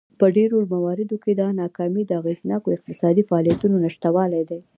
په ډېرو مواردو کې دا ناکامي د اغېزناکو اقتصادي فعالیتونو نشتوالی دی.